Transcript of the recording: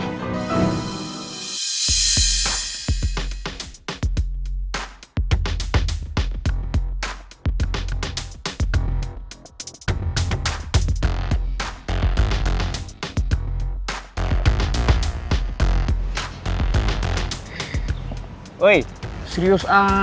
hei bea yasih